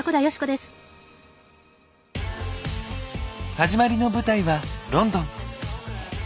始まりの舞台はロンドン。